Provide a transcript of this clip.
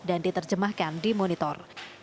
dan diterjemahkan di monitor